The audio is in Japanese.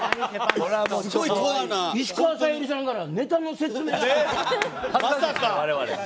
石川さゆりさんからネタの説明が。